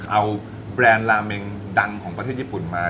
เอาแบรนด์ลาเมงดังของประเทศญี่ปุ่นมา